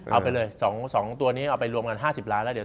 เอาไปเลย๒ตัวนี้เอาไปรวมกัน๕๐ล้านแล้วเดี๋ยว